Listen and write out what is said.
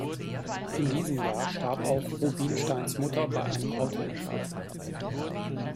In diesem Jahr starb auch Rubinsteins Mutter bei einem Autounfall.